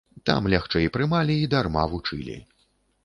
Там лягчэй прымалі і дарма вучылі.